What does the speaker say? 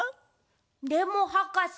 でもはかせ。